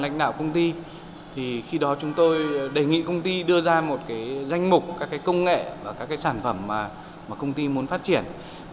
chúng tôi đã đưa ra một danh mục các công nghệ và các sản phẩm mà công ty muốn phát triển